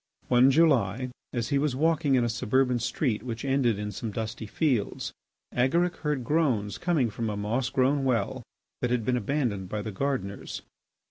One July as he was walking in a suburban street which ended in some dusty fields, Agaric heard groans coming from a moss grown well that had been abandoned by the gardeners.